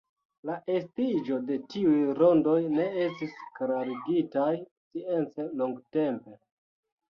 La estiĝo de tiuj rondoj ne estis klarigitaj science longtempe.